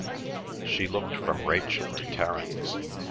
She looked from Rachel to Terence.